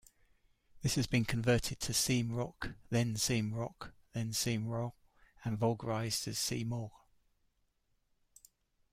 This has been converted to saeem-rokh, then seem-rokh, seem-rogh and vulgarised as see-morgh.